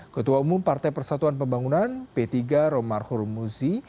ketua umum partai persatuan pembangunan p tiga romar hormuzi